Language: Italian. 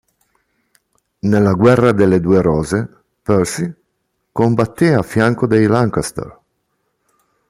Nella guerra delle due rose Percy combatté a fianco dei Lancaster.